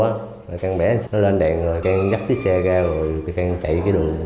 cường bẻ nó lên đèn rồi cường dắt cái xe ra rồi cường chạy cái đường